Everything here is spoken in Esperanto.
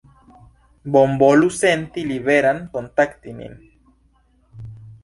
Bonvolu senti liberan kontakti nin.